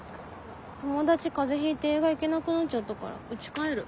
友達風邪ひいて映画行けなくなっちゃったから家帰る。